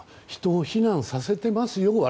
人を避難させていますよ